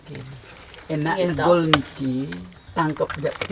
karena saya tidak tahu apa yang terjadi